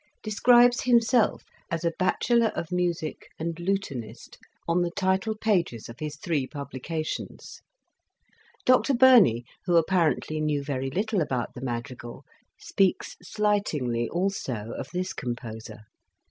describes himself as a " Batchelar of Musicke and Lutenist" on the title pages of his three '9 Introduction. publications. Dr Burney, who apparently knew very little about the madrigal, speaks slightingly also of this composer.